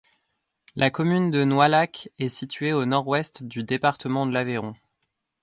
La commune de Noailhac est située au nord-ouest du département de l'Aveyron.